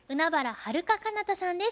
はるか・かなたさんです。